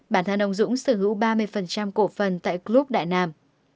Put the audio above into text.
bản thân ông dũng sở hữu ba mươi cổ phần tại group đại nam